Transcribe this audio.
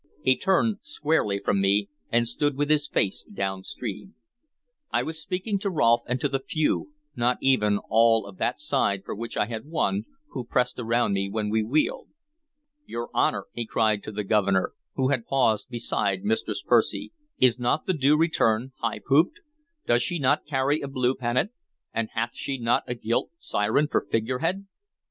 He turned squarely from me, and stood with his face downstream. I was speaking to Rolfe and to the few not even all of that side for which I had won who pressed around me, when he wheeled. "Your Honor," he cried to the Governor, who had paused beside Mistress Percy, "is not the Due Return high pooped? Doth she not carry a blue pennant, and hath she not a gilt siren for figurehead?"